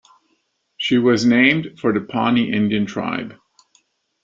She was named for the Pawnee Indian tribe.